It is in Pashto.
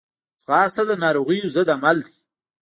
ځغاسته د ناروغیو ضد عمل دی